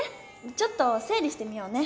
ちょっとせい理してみようね。